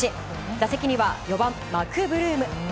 打席には４番、マクブルーム。